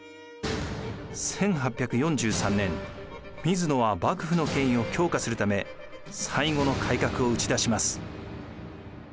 １８４３年水野は幕府の権威を強化するため最後の改革を打ち出します。